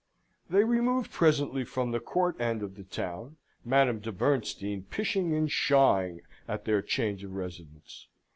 They removed presently from the Court end of the town, Madame de Bernstein pishing and pshaing at their change of residence.